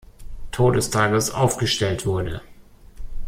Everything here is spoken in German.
Todestages aufgestellt wurde.